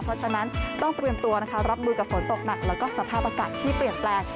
เพราะฉะนั้นต้องเตรียมตัวนะคะรับมือกับฝนตกหนักแล้วก็สภาพอากาศที่เปลี่ยนแปลง